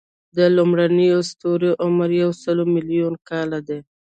د لومړنیو ستورو عمر یو سل ملیونه کاله و.